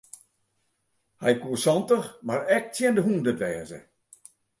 Hy koe santich mar ek tsjin de hûndert wêze.